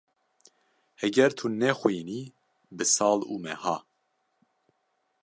Heger tu nexwînî bi sal û meha.